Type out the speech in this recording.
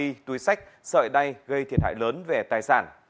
chuyên sản xuất vali túi sách sợi đay gây thiệt hại lớn về tài sản